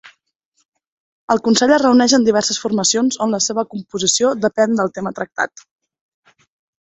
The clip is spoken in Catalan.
El Consell es reuneix en diverses formacions on la seva composició depèn del tema tractat.